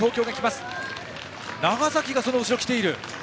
長崎がその後ろに来ている。